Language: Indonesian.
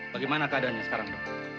bagaimana keadaannya sekarang pak